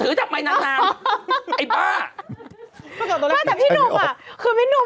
คือพี่หนุ่มไม่กลัวว่าวันนั้นคือพี่หนุ่ม